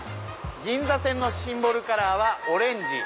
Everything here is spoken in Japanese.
銀座線のシンボルカラーはオレンジ。